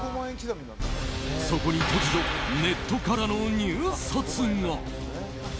そこに突如、ネットからの入札が。